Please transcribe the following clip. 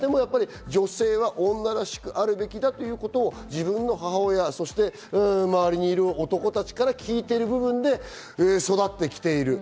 女性に対しても、女性は女らしくあるべきだということを自分の母親、周りにいる男たちから聞いている部分で育ってきている。